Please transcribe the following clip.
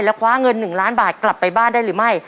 คว้าเงิน๑ล้านบาทกลับไปบ้านได้หรือไม่